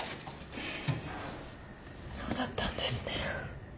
そうだったんですね。